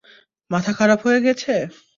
মাথা খারাপ হয়ে গেছে?